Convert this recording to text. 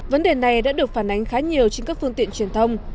vấn đề này đã được phản ánh khá nhiều trên các phương tiện truyền thông